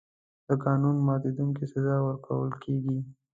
د قانون ماتونکي سزا ورکول کېږي.